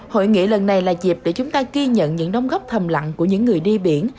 hội nghị lần này là dịp để chúng ta ghi nhận những nông góp thầm lặng của những người đi biển